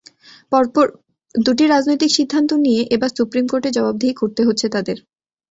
পরপর দুটি রাজনৈতিক সিদ্ধান্ত নিয়ে এবার সুপ্রিম কোর্টে জবাবদিহি করতে হচ্ছে তাদের।